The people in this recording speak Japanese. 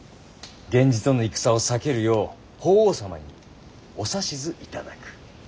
源氏との戦を避けるよう法皇様にお指図いただく。